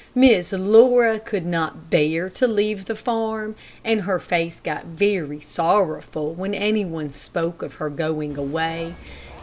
Miss Laura could not bear to leave the farm, and her face got very sorrowful when any one spoke of her going away.